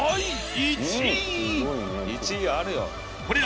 １位あるよ。